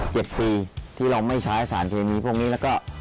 ปีที่เราไม่ใช้สารเคมีพวกนี้แล้วก็